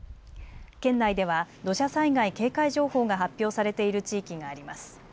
県内では土砂災害警戒情報が発表されている地域があります。